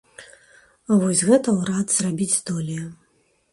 Вось гэта ўрад зрабіць здолее.